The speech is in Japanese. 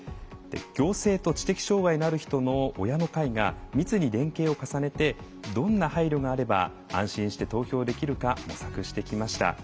行政と知的障害のある人の親の会が密に連携を重ねてどんな配慮があれば安心して投票できるか模索してきました。